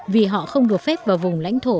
vì họ không được phép vào vùng lãnh thổ